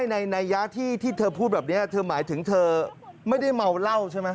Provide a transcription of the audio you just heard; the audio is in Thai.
ในยะที่เธอพูดแบบนี้เธอหมายถึงเธอไม่ได้เมาเหล้าใช่ไหม